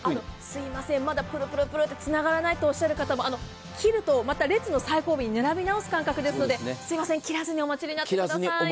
すいません、まだプルプルプルってつながりませんが切ると、また列の最後尾に並び直す感覚ですので、すみません、切らずにお待ちになってください。